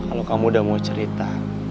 kalau kamu udah mau cerita